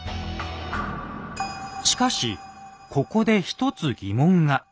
しかしここで１つ疑問が。